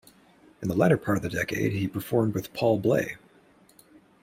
In the latter part of the decade, he performed with Paul Bley.